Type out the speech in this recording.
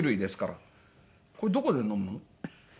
「これどこで飲むの？」。